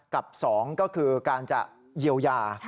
กับ๒ก็คือการจะเยียวยา